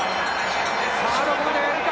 どこまであげるか。